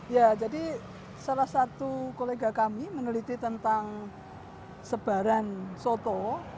ya jadi salah satu kolega kami meneliti tentang sebaran soto